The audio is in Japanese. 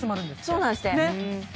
そうなんですって。